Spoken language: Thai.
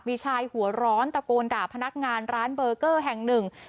มีชายหัวร้อนตะโกนด่าพนักงานร้านเบอร์เกอร์แห่งหนึ่ง